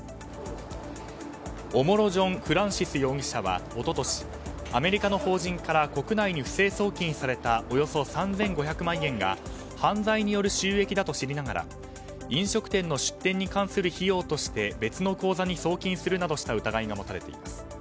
オモロジョン・フランシス容疑者は一昨年アメリカの法人から国内に不正送金されたおよそ３５００万円が犯罪での収益だと知りながら飲食店の出店に関する費用として別の口座に送金するなどした疑いが持たれています。